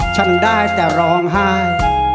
ฉันได้แต่ร้องไห้